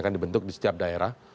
ya kan dibentuk di setiap daerah